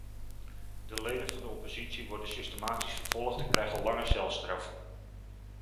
De leden van de oppositie worden systematisch vervolgd en krijgen lange celstraffen.